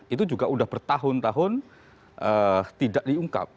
itu juga sudah bertahun tahun tidak diungkap